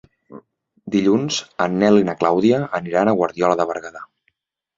Dilluns en Nel i na Clàudia aniran a Guardiola de Berguedà.